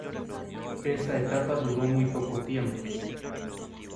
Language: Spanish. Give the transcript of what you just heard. Esta etapa duró muy poco tiempo.